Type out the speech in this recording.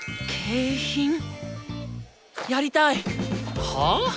やりたい！はあ？